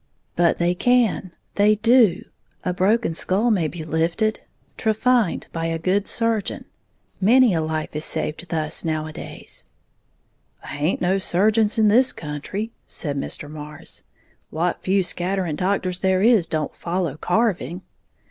"But they can, they do! A broken skull may be lifted, trephined, by a good surgeon, many a life is saved thus nowadays." "Haint no surgeons in this country," said Mr. Marrs; "what few scattering doctors there is don't follow carving."